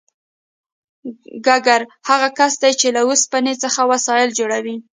ګګر هغه کس دی چې له اوسپنې څخه وسایل جوړوي